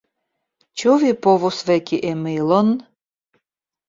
Ĉu vi povus veki Emilon?